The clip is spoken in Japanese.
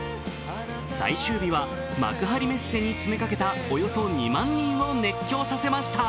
最終日は幕張メッセに詰めかけたおよそ２万人を熱狂させました。